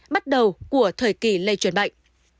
bắt đầu của thời kỳ lây chuyển bệnh